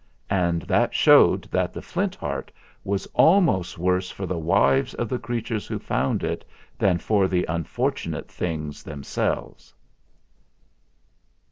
And that showed that the Flint Heart was almost worse for the wives of the creatures who found it than for the unfortunate things themselves.